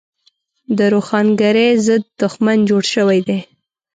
د روښانګرۍ ضد دښمن جوړ شوی دی.